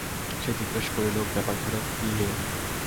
সে জিজ্ঞাসা করিল, ব্যাপারখানা কী হে?